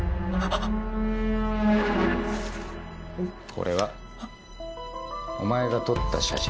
これはお前が撮った写真？